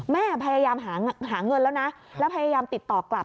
พยายามหาเงินแล้วนะแล้วพยายามติดต่อกลับ